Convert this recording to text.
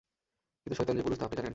কিন্তু শয়তান যে পুরুষ তা আপনি জানেন?